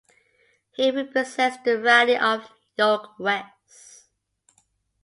He represents the riding of York West.